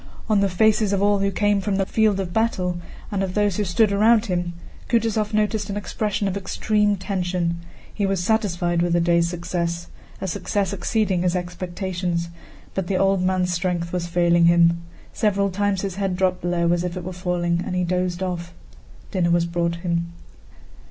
On the faces of all who came from the field of battle, and of those who stood around him, Kutúzov noticed an expression of extreme tension. He was satisfied with the day's success—a success exceeding his expectations, but the old man's strength was failing him. Several times his head dropped low as if it were falling and he dozed off. Dinner was brought him.